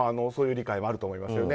そういう理解はあると思います。